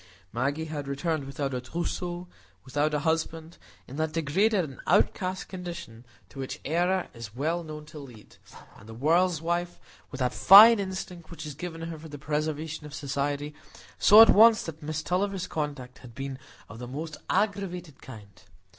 Maggie had returned without a trousseau, without a husband,—in that degraded and outcast condition to which error is well known to lead; and the world's wife, with that fine instinct which is given her for the preservation of Society, saw at once that Miss Tulliver's conduct had been of the most aggravated kind.